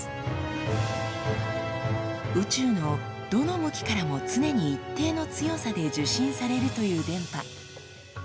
宇宙のどの向きからも常に一定の強さで受信されるという電波。